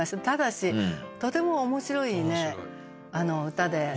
ただしとても面白い歌で。